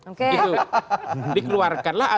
oke itu dikeluarkanlah atau